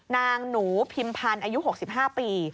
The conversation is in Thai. นางหนูพิมพันธ์อายุ๖๕ปี